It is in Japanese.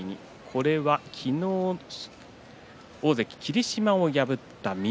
これは昨日、大関霧島を破った翠